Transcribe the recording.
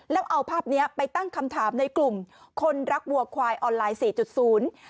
แล้วเอาภาพเนี้ยไปตั้งคำถามในกลุ่มคนรักวัวควายออนไลน์สี่จุดศูนย์